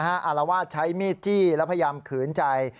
อารวาสใช้มีดจี้แล้วพยายามขืนใจ